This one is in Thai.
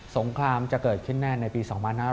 งครามจะเกิดขึ้นแน่ในปี๒๕๕๙